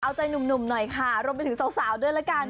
เอาใจหนุ่มหน่อยค่ะรวมไปถึงสาวด้วยละกัน